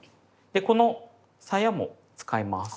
でこのさやも使います。